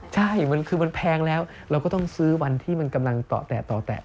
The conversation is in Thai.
ใช่คือมันแพงแล้วเราก็ต้องซื้อวันที่มันกำลังต่อแตะต่อแตะ